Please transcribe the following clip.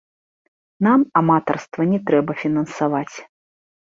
Нам аматарства не трэба фінансаваць.